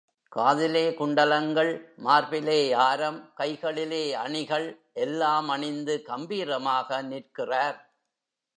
காதிலே குண்டலங்கள், மார்பிலே ஆரம், கைகளிலே அணிகள் எல்லாம் அணிந்து கம்பீரமாக நிற்கிறார்.